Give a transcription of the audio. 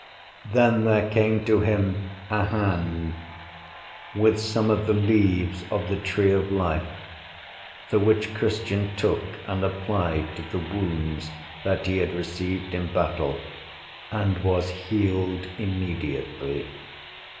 Then there came to him a hand, with some of the leaves of the tree of life, the which Christian took, and applied to the wounds that he had received in the battle, and was healed immediately.